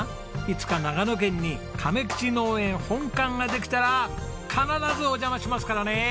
いつか長野県に亀吉農園本館ができたら必ずお邪魔しますからね！